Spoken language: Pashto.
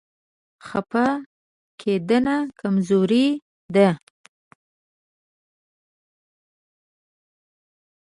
خفه کېدنه کمزوري ده.